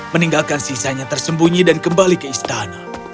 meninggalkan sisanya tersembunyi dan kembali ke istana